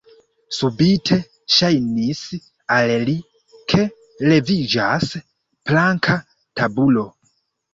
Subite ŝajnis al li, ke leviĝas planka tabulo.